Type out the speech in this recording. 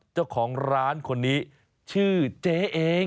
เจ้าของร้านคนนี้ชื่อเจ๊เอง